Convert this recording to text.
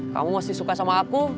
kamu masih suka sama aku